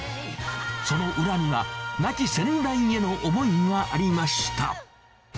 その裏には、亡き先代への思いがありました。